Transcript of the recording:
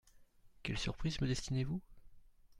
Quelle surprise me destinez-vous ?